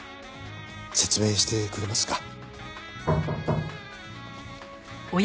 説明してくれますか？